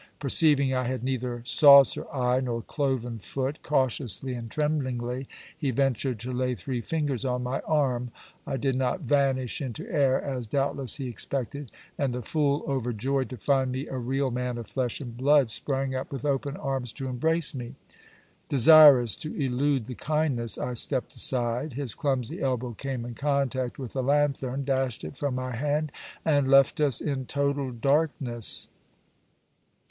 Perceiving I had neither saucer eye, nor cloven foot, cautiously and tremblingly he ventured to lay three fingers on my arm I did not vanish into air, as doubtless he expected; and the fool, overjoyed to find me a real man of flesh and blood, sprang up with open arms to embrace me. Desirous to elude the kindness, I stepped aside. His clumsy elbow came in contact with the lanthern, dashed it from my hand, and left us in total darkness.